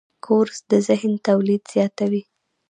کورس د ذهن تولید زیاتوي.